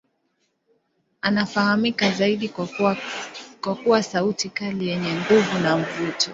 Anafahamika zaidi kwa kuwa sauti kali yenye nguvu na mvuto.